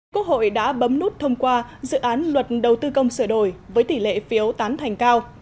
quốc hội đã bấm nút thông qua dự án luật đầu tư công sửa đổi với tỷ lệ phiếu tán thành cao